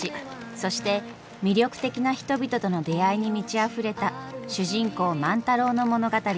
そして魅力的な人々との出会いに満ちあふれた主人公万太郎の物語。